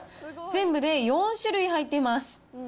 全部で４種類入っています。